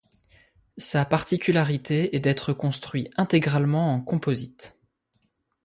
Sa particularité est d'être construit intégralement en composites.